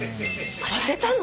当てたの？